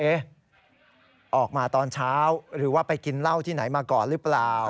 ออกมาตอนเช้าหรือว่าไปกินเหล้าที่ไหนมาก่อนหรือเปล่า